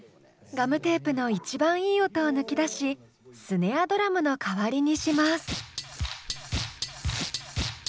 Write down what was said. ガムテープの一番いい音を抜き出しスネアドラムの代わりにします。